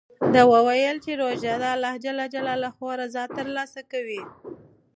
ده وویل چې روژه د خدای رضا ترلاسه کوي.